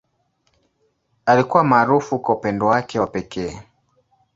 Alikuwa maarufu kwa upendo wake wa pekee.